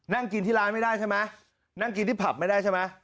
นั่งกินที่ร้านไม่ได้ใช่ไหมนั่งกินที่ผับไม่ได้ใช่ไหม